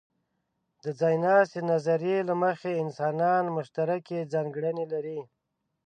د ځایناستې نظریې له مخې، انسانان مشترکې ځانګړنې لري.